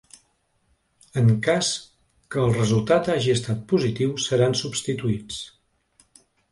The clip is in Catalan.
En cas que el resultat hagi estat positiu, seran substituïts.